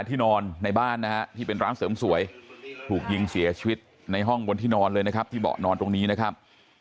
ที่นอนในบ้านนะฮะที่เป็นร้านเสริมสวยถูกยิงเสียชีวิตในห้องบนที่นอนเลยนะครับที่เบาะนอนตรงนี้นะครับ